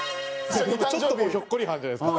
ちょっともうひょっこりはんじゃないですか。